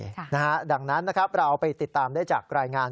ใช่ค่ะนะฮะดังนั้นนะครับเราไปติดตามได้จากรายงาน